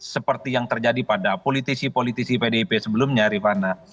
seperti yang terjadi pada politisi politisi pdip sebelumnya rifana